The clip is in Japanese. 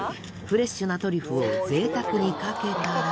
フレッシュなトリュフを贅沢にかけたら。